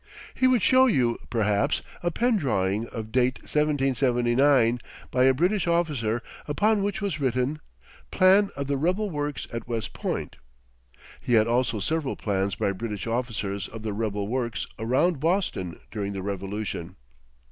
He would show you, perhaps, a pen drawing of date 1779, by a British officer, upon which was written: "Plan of the rebel works at West Point." He had also several plans by British officers of "the rebel works" around Boston during the revolution.